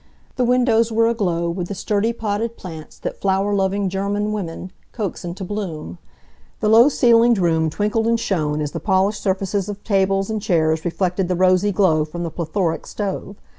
The windows were aglow with the sturdy potted plants that flower loving German women coax into bloom. The low ceilinged room twinkled and shone as the polished surfaces of tables and chairs reflected the rosy glow from the plethoric stove.